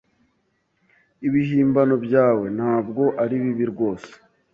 Ibihimbano byawe ntabwo ari bibi rwose.